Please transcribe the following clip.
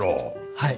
はい。